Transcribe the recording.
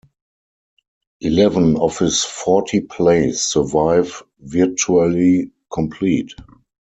Eleven of his forty plays survive virtually complete.